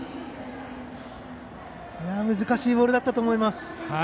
難しいボールだったと思います。